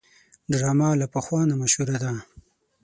ډرامه له پخوا نه مشهوره ده